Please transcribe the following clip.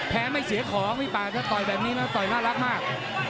ไม่เสียของพี่ป่าถ้าต่อยแบบนี้แล้วต่อยน่ารักมาก